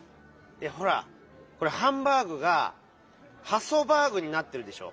いやほら「ハンバーグ」が「ハソバーグ」になってるでしょ？